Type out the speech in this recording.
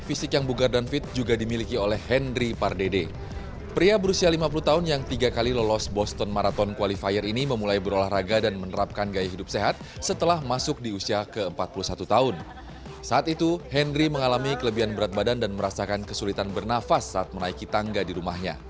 iya banyak banyakan tapi deponya dari hitungan aku